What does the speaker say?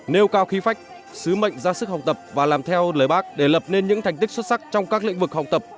nêu cao khí phách sứ mệnh ra sức học tập và làm theo lời bác để lập nên những thành tích xuất sắc trong các lĩnh vực học tập